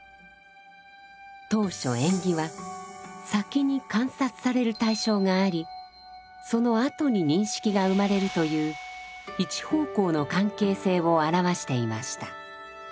当初縁起は先に観察される対象がありそのあとに認識が生まれるという一方向の関係性を表していました。